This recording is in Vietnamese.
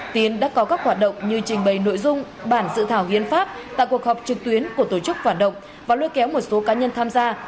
tiến đã có các hoạt động như trình bày nội dung bản sự thảo nghiên pháp tại cuộc họp trực tuyến của tổ chức hoạt động và lưu kéo một số cá nhân tham gia